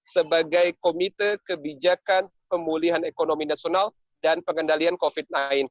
sebagai komite kebijakan pemulihan ekonomi nasional dan pengendalian covid sembilan belas